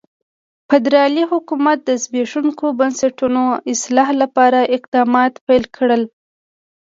فدرالي حکومت د زبېښونکو بنسټونو اصلاح لپاره اقدامات پیل کړل.